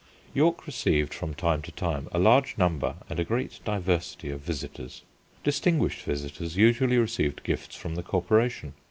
York received from time to time a large number and a great diversity of visitors. Distinguished visitors usually received gifts from the Corporation.